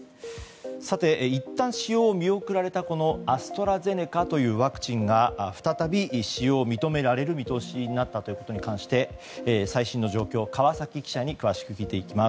さて、いったん使用を見送られたアストラゼネカというワクチンが再び使用を認められる見通しになったということに関して最新の状況を川崎記者に詳しく聞いていきます。